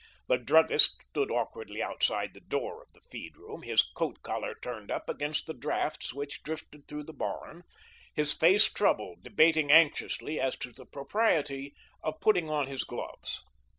The druggist stood awkwardly outside the door of the feed room, his coat collar turned up against the draughts that drifted through the barn, his face troubled, debating anxiously as to the propriety of putting on his gloves.